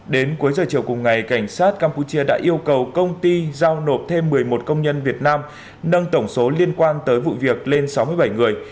đến cuối giờ chiều cùng ngày cảnh sát campuchia đã yêu cầu công ty giao nộp thêm một mươi một công nhân việt nam nâng tổng số liên quan tới vụ việc lên sáu mươi bảy người